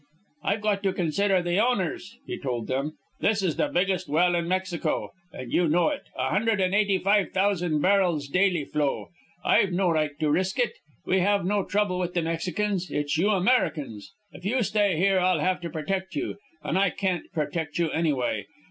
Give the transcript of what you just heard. "I've got to consider the owners," he told them. "This is the biggest well in Mexico, and you know it a hundred and eighty five thousand barrels daily flow. I've no right to risk it. We have no trouble with the Mexicans. It's you Americans. If you stay here, I'll have to protect you. And I can't protect you, anyway.